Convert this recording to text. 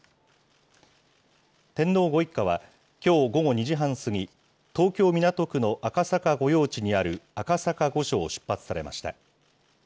天皇ご一家はきょう午後２時半過ぎ、東京・港区の赤坂御用地にある赤坂御所を出発されました。